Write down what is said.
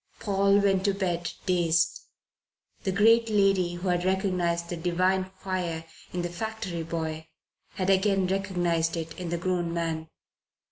Paul went to bed dazed. The great lady who had recognized the divine fire in the factory boy had again recognized it in the grown man.